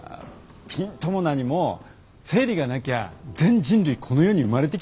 ピンとも何も生理がなきゃ全人類この世に生まれてきてないんですよ？